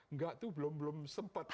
enggak tuh belum belum sempat